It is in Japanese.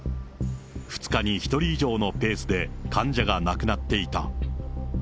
２日に１人以上のペースで患者が亡くなっていた。